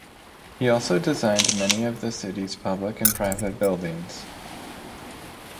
He also designed many of the city's public and private buildings.